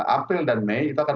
april dan mei itu akan